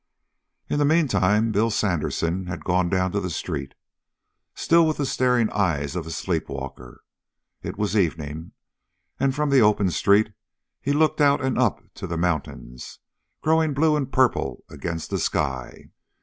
In the meantime Bill Sandersen had gone down to the street, still with the staring eyes of a sleep walker. It was evening, and from the open street he looked out and up to the mountains, growing blue and purple against the sky.